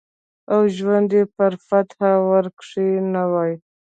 او ژوند یې پر فاتحه ورکښېنوی